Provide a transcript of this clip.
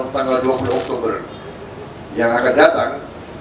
tanggal dua puluh oktober yang akan datang